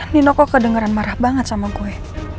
nino kok kedengeran marah banget sama gue